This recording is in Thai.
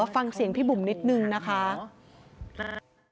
ฟังเสียงพี่บุ๋มนิดนึงนะคะ